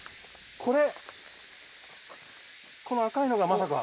これこの赤いのがまさか。